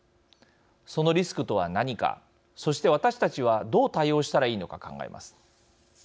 そのリスクとは何かそして、私たちはどう対応したらいいのか考えます。